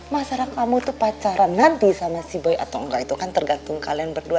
masyarakat kamu itu pacaran nanti sama si bayi atau enggak itu kan tergantung kalian berdua